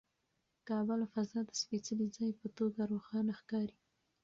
کعبه له فضا د سپېڅلي ځای په توګه روښانه ښکاري.